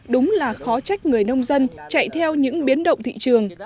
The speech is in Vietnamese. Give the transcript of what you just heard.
đúng là khó trách người nông dân chạy theo những biến động thị trường